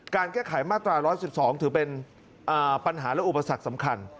แก้ไขมาตรา๑๑๒ถือเป็นปัญหาและอุปสรรคสำคัญ